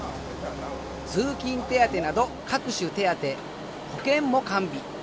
通勤手当など各種手当保険も完備。